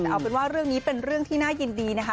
แต่เอาเป็นว่าเรื่องนี้เป็นเรื่องที่น่ายินดีนะคะ